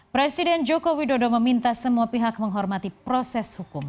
presiden joko widodo meminta semua pihak menghormati proses hukum